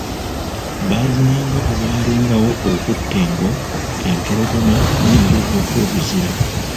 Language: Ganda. Baazinanga bwe waalingawo okutta engo, empologoma n'enjovu okw'obuzira.